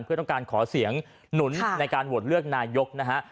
เพื่อต้องการขอเสียงหนุนในการโหวตเลือกนายกนะฮะ